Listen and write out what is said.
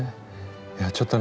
いやちょっとね